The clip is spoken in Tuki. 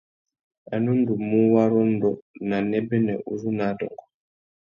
A nu ndú mú warrôndô nà nêbênê uzu nà adôngô.